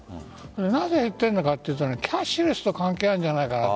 なぜ減ってるのかというとキャッシュレスと関係があるんじゃないか。